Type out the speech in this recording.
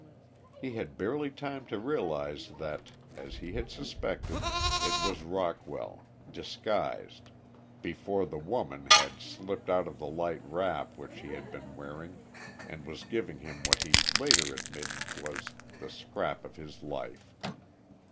He had barely time to realize that, as he had suspected, it was Rockwell, disguised, before the "woman" had slipped out of the light wrap which she had been wearing and was giving him what he later admitted was the "scrap of his life."